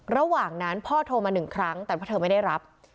ระหว่างนั้นพ่อโทรมาหนึ่งครั้งแต่ว่าเธอไม่ได้รับ